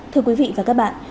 thưa quý vị và các bạn